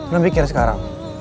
lu pikir sekarang